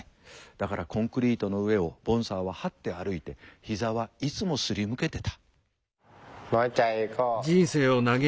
だからコンクリートの上をボンサーははって歩いて膝はいつもすりむけてた。